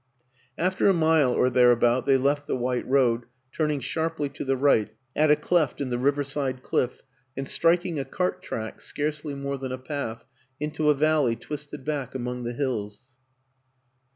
After a mile or there about they left the white road, turning sharply to the right at a cleft in the riverside cliff and strik ing a cart track, scarcely more than a path, into a valley twisted back among the hills.